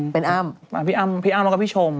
เป็นอ้ำพี่อ้ำพี่อ้ำแล้วก็พี่ชม